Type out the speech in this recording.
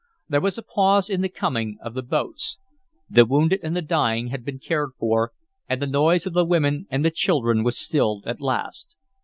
There was a pause in the coming of the boats. The wounded and the dying had been cared for, and the noise of the women and the children was stilled at last.